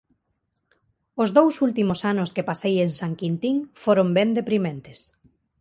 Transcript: Os dous últimos anos que pasei en San Quintín foron ben deprimentes.